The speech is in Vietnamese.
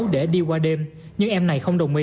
để đi qua đêm những em này không đồng ý